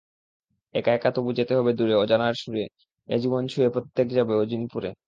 একা একা তবু যেতে হবে দূরে অজানার সুরে—এ জীবন ছুঁয়ে প্রত্যেকে যাবে অচিনপুরে।